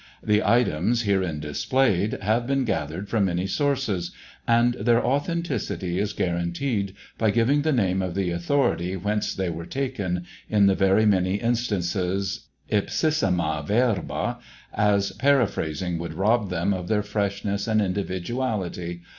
The items, herein displayed, have been gathered from many sources, and their authenticity is guaranteed by giving the name of the authority whence they were taken, in very many instances ipsissima verba^ as paraphrasing would rob them of their freshness and individuality.